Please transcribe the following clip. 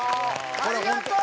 ありがとう！